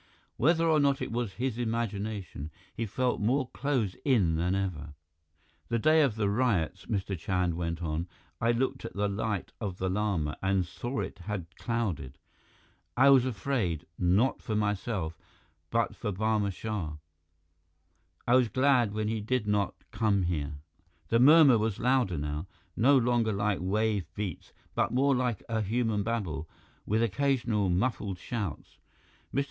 Whether or not it was his imagination, he felt more closed in than ever. "The day of the riots," Mr. Chand went on, "I looked at the Light of the Lama and saw it had clouded. I was afraid, not for myself, but for Barma Shah. I was glad when he did not come here " The murmur was louder now, no longer like wave beats, but more a human babble, with occasional muffled shouts. Mr.